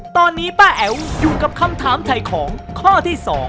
ตอนนี้ป้าแอ๋วอยู่กับคำถามถ่ายของข้อที่๒